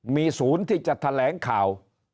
มีศูนย์ที่จะแถลงข่าว